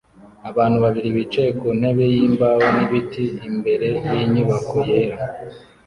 Abantu babiri bicaye ku ntebe yimbaho n'ibiti imbere yinyubako yera